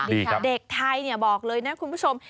เด็กไทยบอกเลยนะคุณผู้ชม